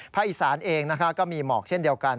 อีสานเองก็มีหมอกเช่นเดียวกัน